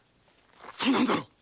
そうなんだろう？